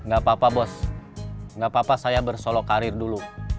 gak apa apa bos nggak apa apa saya bersolok karir dulu